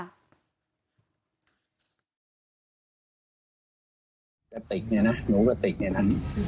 กระติกเนี่ยนะหนูกระติกเนี่ยนะ